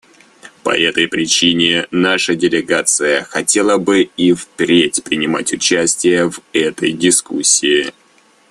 По этой причине наша делегация хотела бы и впредь принимать участие в этой дискуссии.